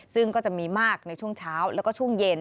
ซึ่งก็จะมีมากในช่วงเช้าแล้วก็ช่วงเย็น